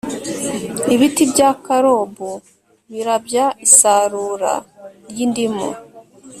Ibiti bya karobu birabya Isarura ry indimu